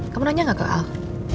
kamu nanya gak ke al